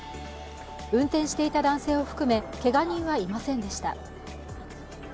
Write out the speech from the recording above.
運転していた男性を含め、けが人はいませんでした。